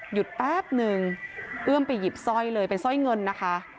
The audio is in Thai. แป๊บนึงเอื้อมไปหยิบสร้อยเลยเป็นสร้อยเงินนะคะ